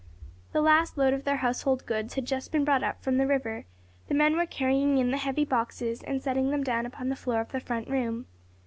The last load of their household goods had just been brought up from the river, the men were carrying in the heavy boxes and setting them down upon the floor of the front room.